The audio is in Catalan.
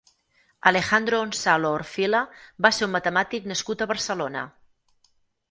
Alejandro Onsalo Orfila va ser un matemàtic nascut a Barcelona.